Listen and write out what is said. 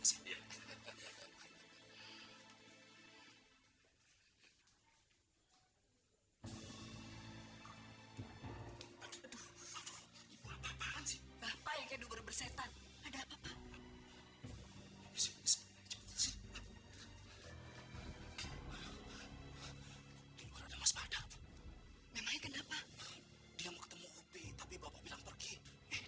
apa apaan sih bapak yang kedua bersetan ada apa apa